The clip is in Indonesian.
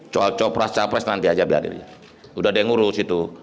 soal copras capres nanti aja biar dirinya udah ada yang ngurus itu